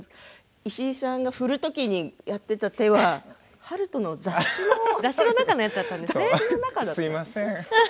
石井さんが振る時にやっていた手は悠人の雑誌の手だったんですね。